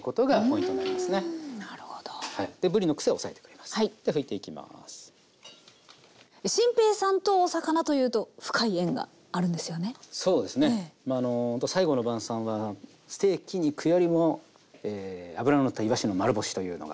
まあ最後の晩さんはステーキ肉よりもえ脂ののったいわしの丸干しというのが。